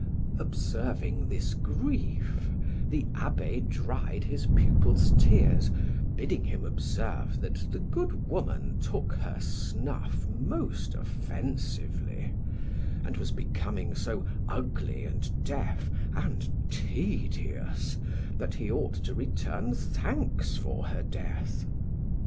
Observing this grief, the abbe dried his pupil's tears, bidding him observe that the good woman took her snuff most offensively, and was becoming so ugly and deaf and tedious that he ought to return thanks for her death.